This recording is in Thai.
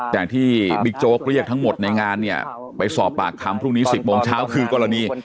แต่ที่บิ๊กโจ๊กเรียกทั้งหมดในงานเนี่ยไปสอบปากคำพรุ่งนี้๑๐โมงเช้าคือกรณี